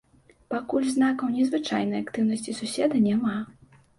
Пакуль знакаў незвычайнай актыўнасці суседа няма.